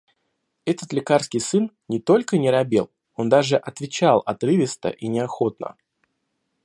Этот лекарский сын не только не робел, он даже отвечал отрывисто и неохотно.